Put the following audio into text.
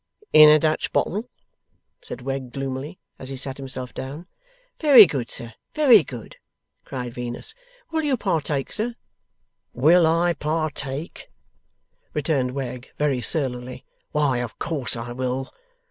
'In a Dutch bottle?' said Wegg gloomily, as he sat himself down. 'Very good, sir, very good!' cried Venus. 'Will you partake, sir?' 'Will I partake?' returned Wegg very surlily. 'Why, of course I will!